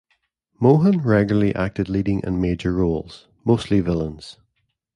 Mohun regularly acted leading and major roles, mostly villains.